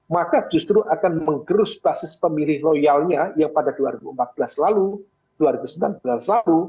maka justru akan menggerus basis pemilih loyalnya yang pada dua ribu empat belas lalu dua ribu sembilan belas lalu